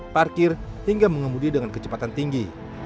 parkir hingga mengemudi dengan kecepatan tinggi